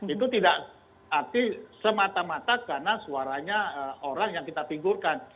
itu tidak arti semata mata karena suaranya orang yang kita figurkan